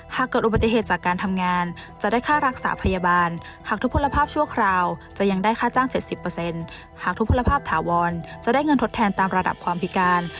หากเกิดอุบัติเหตุจากการทำงานจะได้ค่ารักษาพยาบาลหากทุกผลภาพชั่วคราวจะยังได้ค่าจ้าง๗๐หากทุกพลภาพถาวรจะได้เงินทดแทนตามระดับความพิการ